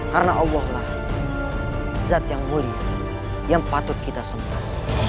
karena allah lah zat yang mulia yang patut kita sembah